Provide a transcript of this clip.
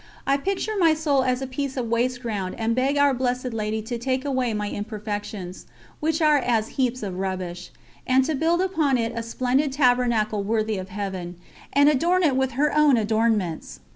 I picture my soul as a piece of waste ground and beg Our Blessed Lady to take away my imperfections which are as heaps of rubbish and to build upon it a splendid tabernacle worthy of Heaven, and adorn it with her own adornments.